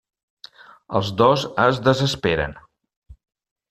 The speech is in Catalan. Els dos es desesperen.